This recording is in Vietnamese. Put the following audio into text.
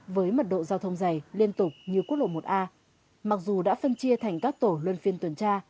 với mật độ giao thông dày liên tục như quốc lộ một a mặc dù đã phân chia thành các tổ luân phiên tuần tra